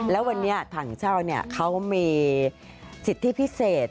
แล้ววันนี้ถังเช่าเขามีสิทธิพิเศษ